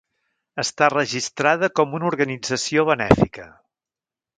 Està registrada com una organització benèfica.